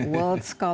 bangga sekali ya